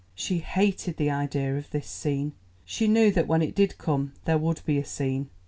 She hated the idea of this scene. She knew that when it did come there would be a scene.